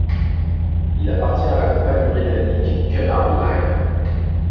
Il appartient à la compagnie britannique Cunard Line.